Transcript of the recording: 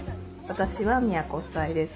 私は都房江です。